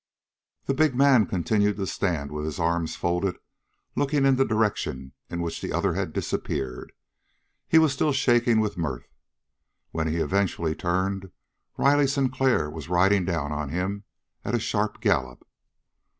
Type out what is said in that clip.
The big man continued to stand with his arms folded, looking in the direction in which the other had disappeared; he was still shaking with mirth. When he eventually turned, Riley Sinclair was riding down on him at a sharp gallop.